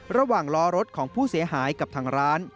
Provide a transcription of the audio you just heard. ระหว่างล้อรถของผู้เสียหายกับทางร้าน